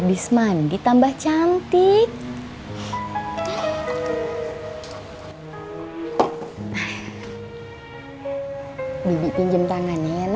ibu nampak arab ya kang